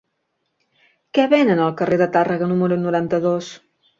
Què venen al carrer de Tàrrega número noranta-dos?